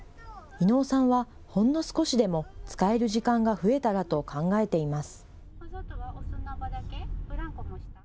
稲生さんは、ほんの少しでも使える時間が増えたらと考えています。